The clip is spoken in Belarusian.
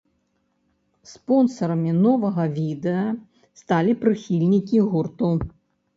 Спонсарамі новага відэа сталі прыхільнікі гурту.